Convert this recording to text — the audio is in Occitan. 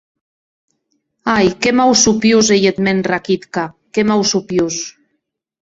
Ai, qué mausapiós ei eth mèn Rakitka, qué mausapiós!